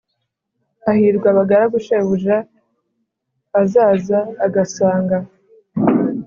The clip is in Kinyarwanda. Hahirwa abagaragu shebuja azaza agasanga